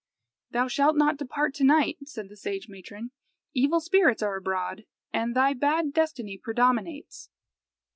"Thou shalt not depart to night," said the sage matron; "evil spirits are abroad, and thy bad destiny predominates."